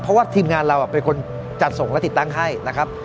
เพราะว่าทีมงานเราเป็นคนจัดส่งและติดตั้งให้นะครับ